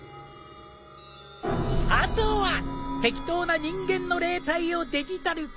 あとは適当な人間の霊体をデジタル化。